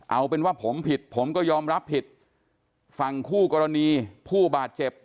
เอาเป็นว่าผมผิดผมก็ยอมรับผิดฝั่งคู่กรณีผู้บาดเจ็บ